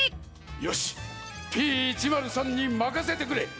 よしＰ１０３にまかせてくれ！